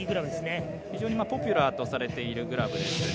非常にポピュラーとされているグラブです。